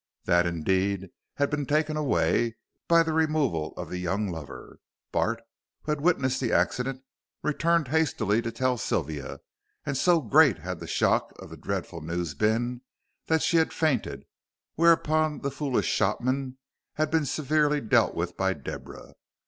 That, indeed, had been taken away by the removal of the young lover. Bart, who had witnessed the accident, returned hastily to tell Sylvia, and so great had the shock of the dreadful news been, that she had fainted, whereupon the foolish shopman had been severely dealt with by Deborah.